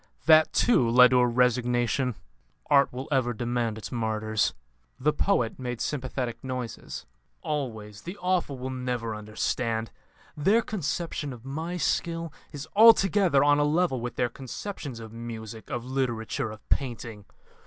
That, too, led to a resignation: Art will ever demand its martyrs." The poet made sympathetic noises. "Always. The awful many will never understand. Their conception of my skill is altogether on a level with their conceptions of music, of literature, of painting.